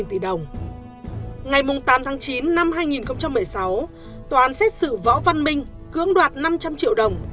hai tỷ đồng ngày tám tháng chín năm hai nghìn một mươi sáu tòa án xét xử võ văn minh cưỡng đoạt năm trăm linh triệu đồng